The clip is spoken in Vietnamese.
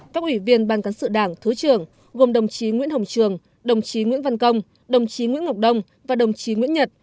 các ủy viên ban cán sự đảng thứ trưởng gồm đồng chí nguyễn hồng trường đồng chí nguyễn văn công đồng chí nguyễn ngọc đông và đồng chí nguyễn nhật